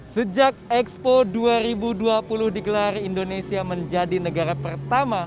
sejak expo dua ribu dua puluh digelar indonesia menjadi negara pertama